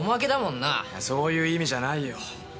そういう意味じゃないよ。